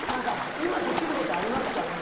今できることありますかね？